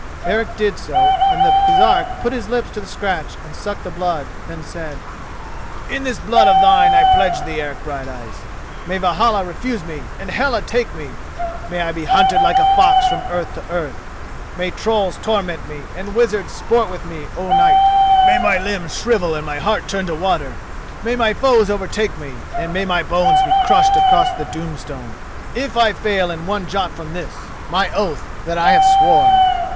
Eric did so, and the Baresark put his lips to the scratch and sucked the blood, then said: "In this blood of thine I pledge thee, Eric Brighteyes! May Valhalla refuse me and Hela take me; may I be hunted like a fox from earth to earth; may trolls torment me and wizards sport with me o' night; may my limbs shrivel and my heart turn to water; may my foes overtake me, and my bones be crushed across the doom stone—if I fail in one jot from this my oath that I have sworn!